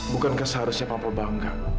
bukankah seharusnya papa bangga